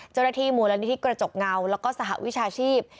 เจ้าหน้าที่มูลนิธิกระจกเงาแล้วก็สหวิชาชีพ